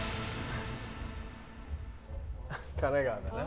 神奈川だな。